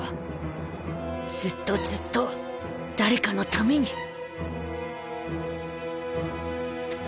ずっとずっと誰かのために